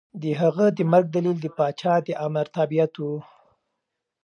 د هغه د مرګ دلیل د پاچا د امر تابعیت و.